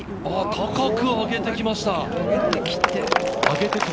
高く上げてきました。